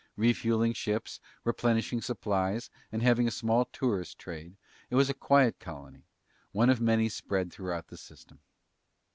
Refueling ships, replenishing supplies, and having a small tourist trade, it was a quiet colony, one of many spread throughout the system.